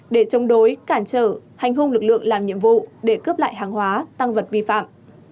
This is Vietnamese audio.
để chống đối cản trở hành hung lực lượng làm nhiệm vụ để cướp lại hàng hóa tăng vật vi phạm